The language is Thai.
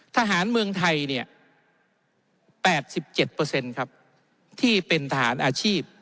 ทหารเมืองไทยเนี่ย๘๗เปอร์เซ็นต์ครับที่เป็นทหารอาชีพ